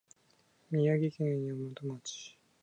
宮城県大和町